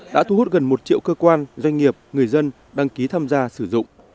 đã thu hút gần một triệu cơ quan doanh nghiệp người dân đăng ký tham gia sử dụng